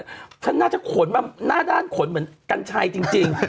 ฉันน่าจะขนมาหน้าด้านขนเหมือนกัญชัยจริง